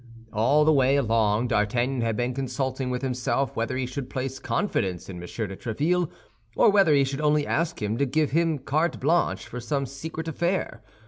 All the way along D'Artagnan had been consulting with himself whether he should place confidence in M. de Tréville, or whether he should only ask him to give him carte blanche for some secret affair.